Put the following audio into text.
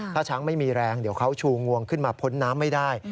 ถ้าช้างไม่มีแรงเดี๋ยวเขาชูงวงขึ้นมาพ้นน้ำไม่ได้